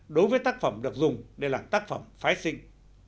đối với tác phẩm được dùng để làm tác phẩm phái sinh